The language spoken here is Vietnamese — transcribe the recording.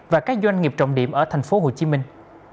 và các doanh nghiệp trọng điểm ở thành phố hồ chí minh